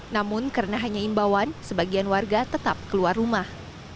namun karena hanya imbauan sebagian warga tetap keluar rumah